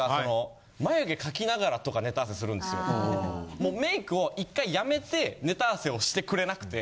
もうメイクを１回やめてネタ合わせをしてくれなくて。